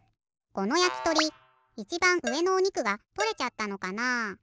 このやきとりいちばんうえのおにくがとれちゃったのかな？